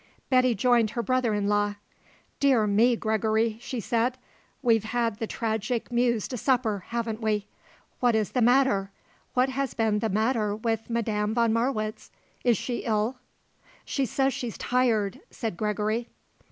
Betty joined her brother in law. "Dear me, Gregory," she said. "We've had the tragic muse to supper, haven't we. What is the matter, what has been the matter with Madame von Marwitz? Is she ill?" "She says she's tired," said Gregory.